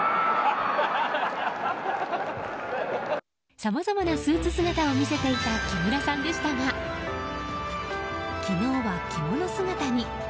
さまざまなスーツ姿を見せていた木村さんでしたが昨日は着物姿に。